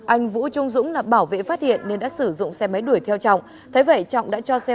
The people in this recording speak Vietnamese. anh vũ trung dũng là bảo vệ phát hiện nên đã sử dụng xe máy đuổi theo trọng